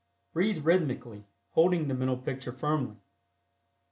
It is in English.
Breathe rhythmically, holding the mental picture firmly.